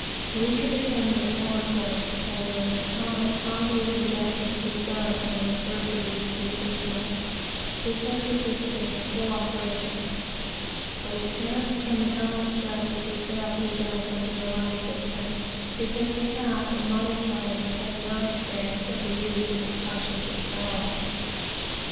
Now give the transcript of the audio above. We can determine the former point that is, how much positive injustice is done under the first of these two systems because the system is in full operation; but we cannot determine how much justice would fail to be done under the latter system, because we have, in modern times, had no experience of the use of the precautions themselves.